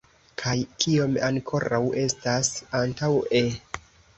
Kaj kiom ankoraŭ estas antaŭe!